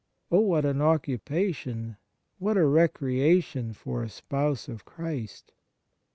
Oh, what an occupation ! What a recreation for a spouse of Christ